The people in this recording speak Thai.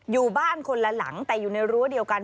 อยู่บ้านคนละหลังแต่อยู่ในรั้วเดียวกัน